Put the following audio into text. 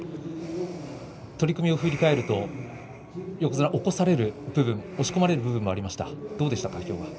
取組を振り返ると横綱は起こされる部分押し込まれる部分もありましたね。